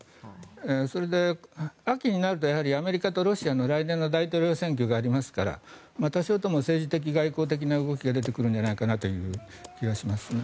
それで、秋になるとアメリカとロシアの来年の大統領選挙がありますから多少とも政治的、外交的な動きが出てくるのではという気がしますね。